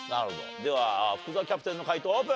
では福澤キャプテンの解答オープン。